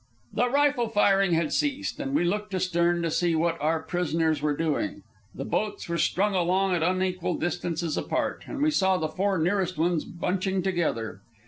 The rifle firing had ceased, and we looked astern to see what our prisoners were doing. The boats were strung along at unequal distances apart, and we saw the four nearest ones bunching together.